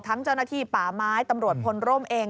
เจ้าหน้าที่ป่าไม้ตำรวจพลร่มเอง